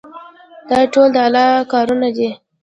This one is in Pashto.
دا ټول د الله کارونه دي.